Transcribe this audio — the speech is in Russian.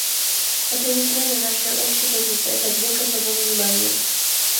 Это не смена нашей общей позиции; это — объект особого внимания.